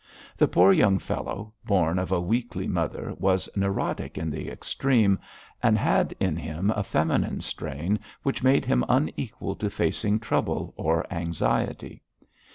The poor young fellow, born of a weakly mother, was neurotic in the extreme, and had in him a feminine strain, which made him unequal to facing trouble or anxiety.